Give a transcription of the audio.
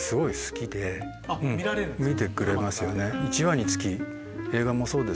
見てくれますよね。